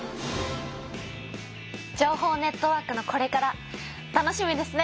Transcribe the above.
情報ネットワークのこれから楽しみですね。